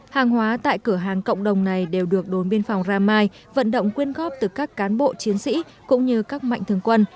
hàng hóa tại cửa hàng cộng đồng này đều được đồn biên phòng ramai vận động quyên góp từ các cán bộ chiến sĩ cũng như các mạnh thường quân